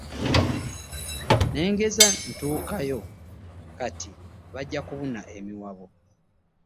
Ne ngeza ntuukayo kati bajja kubuna emiwabo.